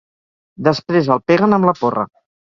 Després el peguen amb la porra.